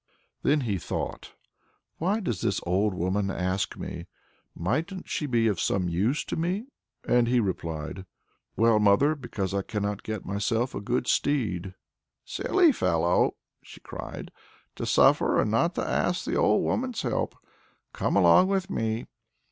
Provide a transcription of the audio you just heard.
Then he thought: "Why does this old woman ask me? Mightn't she be of use to me?" and he replied: "Well, mother! because I cannot get myself a good steed." "Silly fellow!" she cried, "to suffer, and not to ask the old woman's help! Come along with me."